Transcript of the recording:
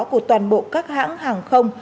của toàn bộ các hãng hàng không